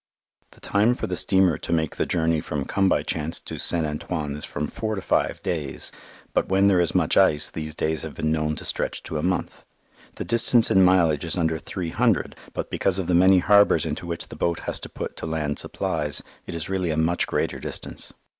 The time for the steamer to make the journey from Come by Chance to St. Antoine is from four to five days, but when there is much ice these days have been known to stretch to a month. The distance in mileage is under three hundred, but because of the many harbours into which the boat has to put to land supplies, it is really a much greater distance.